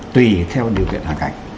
tùy theo điều kiện hoàn cảnh